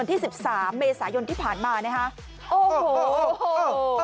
ที่สิบสามเมษายนที่ผ่านมานะฮะโอ้โห